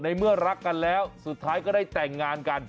เมื่อรักกันแล้วสุดท้ายก็ได้แต่งงานกัน